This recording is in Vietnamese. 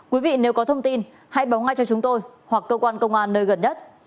quý vị nếu có thông tin hãy báo ngay cho chúng tôi hoặc cơ quan công an nơi gần nhất